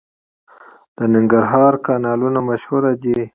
د ننګرهار کانالونه مشهور دي.